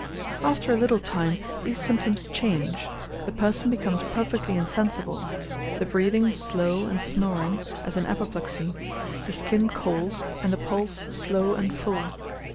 After a little time, these symptoms change; the person becomes perfectly insensible, the breathing slow and snoring, as in apoplexy, the skin cold, and the pulse slow and full.